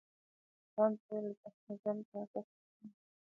کانت وویل زه هم ژوند ته ارزښت ورکوم.